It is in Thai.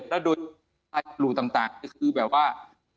และโดยใต้สรุปต่างคือแบบว่า